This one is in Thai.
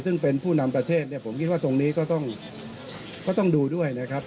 ซึ่งเป็นผู้นำประเทศเนี่ยผมคิดว่าตรงนี้ก็ต้องดูด้วยนะครับ